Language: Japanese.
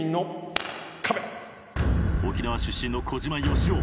沖縄出身の小島よしお。